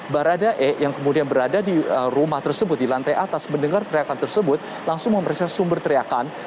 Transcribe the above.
baradae yang kemudian berada di rumah tersebut di lantai atas mendengar teriakan tersebut langsung memeriksa sumber teriakan